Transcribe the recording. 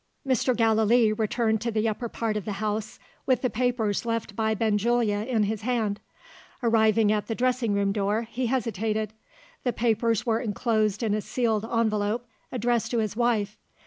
Mr. Gallilee returned to the upper part of the house, with the papers left by Benjulia in his hand. Arriving at the dressing room door, he hesitated. The papers were enclosed in a sealed envelope, addressed to his wife.